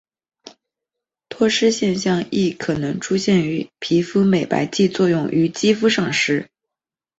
脱失现象亦可能出现于皮肤美白剂作用于肌肤上时。